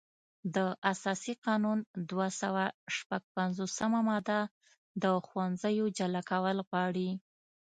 د اساسي قانون دوه سوه شپږ پنځوسمه ماده د ښوونځیو جلا کول غواړي.